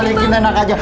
balikin enak aja